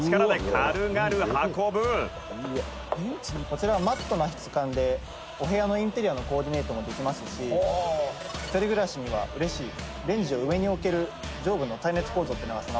「こちらはマットな質感でお部屋のインテリアのコーディネートもできますし一人暮らしにはうれしいレンジを上に置ける上部の耐熱構造っていうのが備わっています」